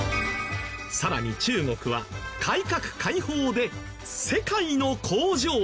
さらに中国は改革開放で世界の工場に。